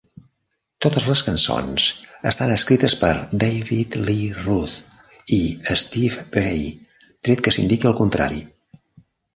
Totes les cançons estan escrites per David Lee Roth i Steve Vai, tret que s'indiqui el contrari.